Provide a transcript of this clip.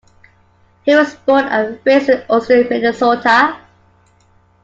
He was born and raised in Austin, Minnesota.